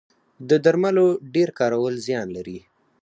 د درملو ډیر کارول زیان لري